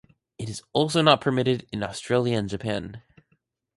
It is also not permitted in Australia and Japan.